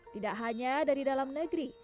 tidak hanya dari dalam negeri